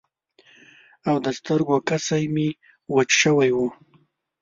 او د سترګو کسی مې وچ شوي وو.